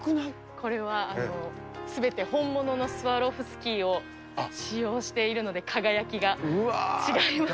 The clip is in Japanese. これはすべて本物のスワロフスキーを使用しているので、輝きが違います。